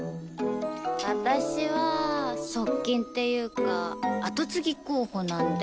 私は側近っていうか後継ぎ候補なんで。